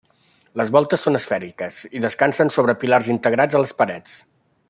Les voltes són esfèriques i descansen sobre pilars integrats a les parets.